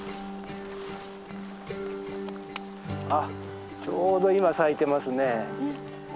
あっちょうど今咲いてますね。